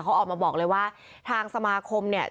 เขาออกมาบอกเลยว่าทางสมาคมเนี่ย